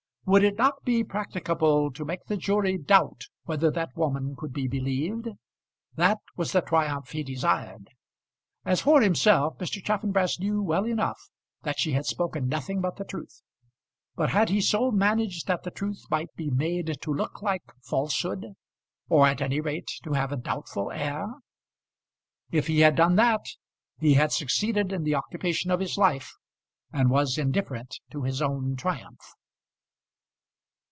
Would it not be practicable to make the jury doubt whether that woman could be believed? That was the triumph he desired. As for himself, Mr. Chaffanbrass knew well enough that she had spoken nothing but the truth. But had he so managed that the truth might be made to look like falsehood, or at any rate to have a doubtful air? If he had done that, he had succeeded in the occupation of his life, and was indifferent to his own triumph.